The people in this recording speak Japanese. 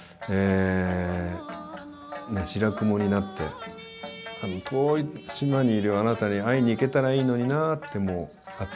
白雲になって遠い島にいるあなたに会いに行けたらいいのになぁって熱いラブソングなんですね。